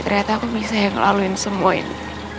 ternyata aku bisa yang laluin semua ini